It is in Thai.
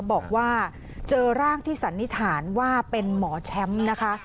บอกว่าเจอร่างที่สันนิษฐานว่าเป็นหมอแชมป์นะคะ